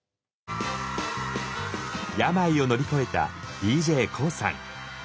病を乗り越えたＤＪＫＯＯさん。